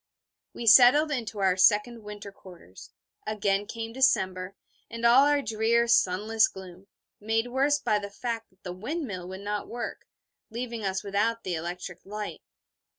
We settled into our second winter quarters. Again came December, and all our drear sunless gloom, made worse by the fact that the windmill would not work, leaving us without the electric light.